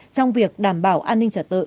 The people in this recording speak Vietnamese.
trong việc đảm bảo an ninh trả tự